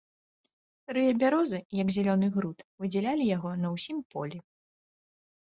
Старыя бярозы, як зялёны груд, выдзялялі яго на ўсім полі.